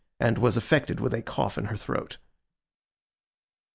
And was affected with a cough in her throat.